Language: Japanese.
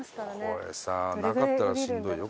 これさなかったらしんどいよ。